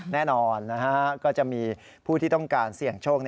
แน่นอนก็จะมีผู้ที่ต้องการเสี่ยงโชค